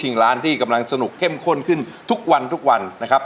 ร้านที่กำลังสนุกเข้มข้นขึ้นทุกวันทุกวันนะครับ